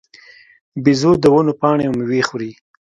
بیزو د ونو پاڼې او مېوې خوري.